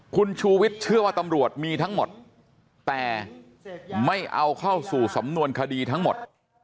คุณชูวิทย์เชื่อว่าตำรวจมีทั้งหมดแต่ไม่เอาเข้าสู่สำนวนคดีทั้งหมด